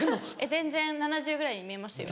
「全然７０歳ぐらいに見えますよ」。